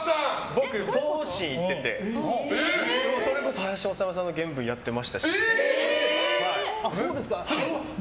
僕、東進行っててそれこそ林修さんの現文やってましたんで。